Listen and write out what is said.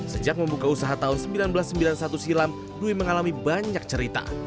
sejak membuka usaha tahun seribu sembilan ratus sembilan puluh satu silam dwi mengalami banyak cerita